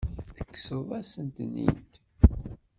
Tekkseḍ-asen-ten-id.